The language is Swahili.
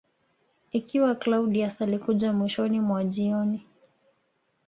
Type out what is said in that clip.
Ikiwa Claudius alikuja mwishoni mwa jioni